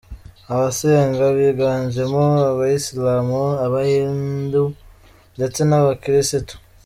Abasenga biganjemo Abayisilamu, Aba-Hindu ndetse n’abakirisitu.